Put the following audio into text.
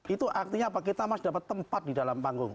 itu artinya apa kita masih dapat tempat di dalam panggung